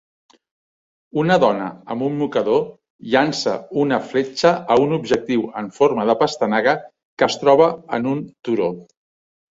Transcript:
Una dona amb un mocador llança una fletxa a un objectiu en forma de pastanaga que es troba en un turó.